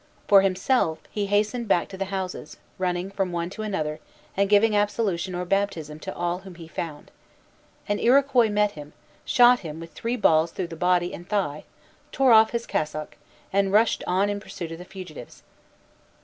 For himself, he hastened back to the houses, running from one to another, and giving absolution or baptism to all whom he found. An Iroquois met him, shot him with three balls through the body and thigh, tore off his cassock, and rushed on in pursuit of the fugitives.